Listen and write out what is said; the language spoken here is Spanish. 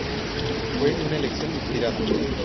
Fue una elección inspirada.